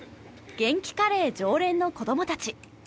げんきカレー常連の子どもたち。